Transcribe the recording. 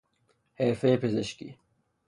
حرفهی پزشکی